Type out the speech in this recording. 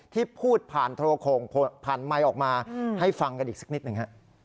ที่พูดผ่านโทรโข่งผ่านไมค์ออกมาให้ฟังกันอีกสักนิดหนึ่งฮะ